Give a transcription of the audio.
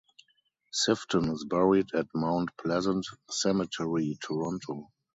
Sifton is buried at Mount Pleasant Cemetery, Toronto.